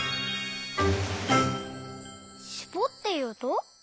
「しぼっていうと」？